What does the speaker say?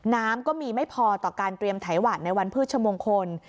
น้ำก็มีไม่พอต่อการเตรียมไถหวัดในวันพืชมงคล